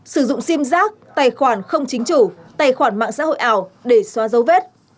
sử dụng sim giác tài khoản không chính chủ tài khoản mạng xã hội ảo để xóa dấu vết